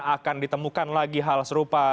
akan ditemukan lagi hal serupa